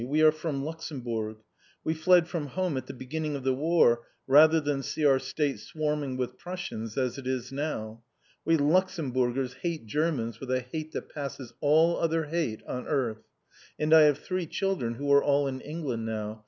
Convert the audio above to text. We are from Luxemburg. We fled from home at the beginning of the war rather than see our state swarming with Prussians, as it is now. We Luxemburgers hate Germans with a hate that passes all other hate on earth. And I have three children, who are all in England now.